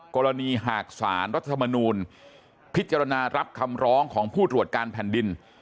กรณีหากสารรัฐธรรมนูลพิจารณารับคำร้องของผู้ตรวจการแผ่นดิน